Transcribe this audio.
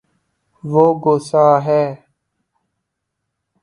وہ گصاہ ہے